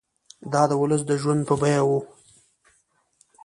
دا د ولس د ژوند په بیه وو.